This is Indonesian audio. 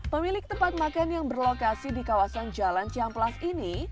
pemilik tempat makan yang berlokasi di kawasan jalan cihamplas ini